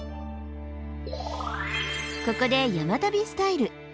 ここで山旅スタイル！